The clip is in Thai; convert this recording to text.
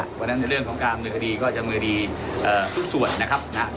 เพราะฉะนั้นในเรื่องของการเมืองคดีก็จะมือดีทุกส่วนนะครับนะ